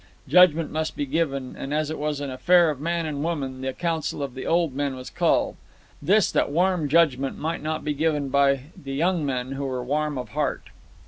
Judgment must be given, and, as it was an affair of man and woman, the council of the old men was called—this that warm judgment might not be given by the young men, who were warm of heart.